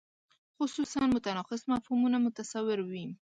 خصوصاً متناقض مفهومونه متصور وي.